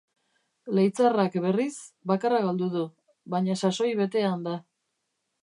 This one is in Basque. Leitzarrak, berriz, bakarra galdu du, baina sasoi betean da.